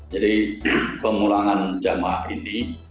jadi pengurangan jamah ini